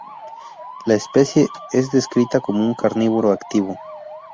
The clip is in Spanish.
La especie es descrita como un carnívoro activo.